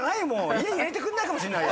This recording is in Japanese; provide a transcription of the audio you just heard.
家に入れてくんないかもしんない。